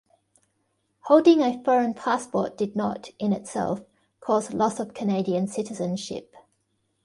Holding a foreign passport did not "in itself" cause loss of Canadian citizenship.